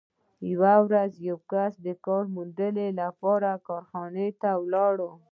یوه ورځ یو کس د کار موندنې لپاره کارخانې ته ولاړ